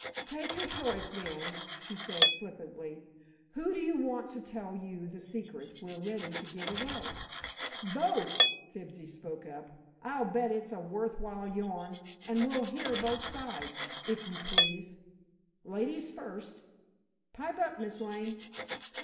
"Take your choice, then," she said, flippantly. "Who do you want to tell you the secret we're ready to give away?" "Both," Fibsy spoke up. "I'll bet it's a worth while yarn, and we'll hear both sides—if you please. Ladies first; pipe up, Miss Lane."